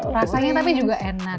rasanya tapi juga enak